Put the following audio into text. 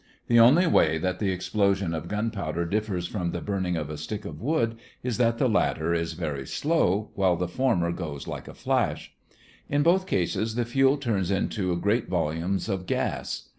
The only way that the explosion of gunpowder differs from the burning of a stick of wood is that the latter is very slow, while the former goes like a flash. In both cases the fuel turns into great volumes of gas.